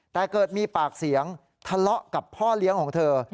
แต่เกิดมีปากเสียงทะเลาะกับพ่อเลี้ยงของเธอ